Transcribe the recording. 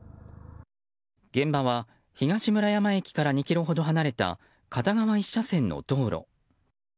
現場は東村山駅から２ｋｍほど離れた片側１車線の道路。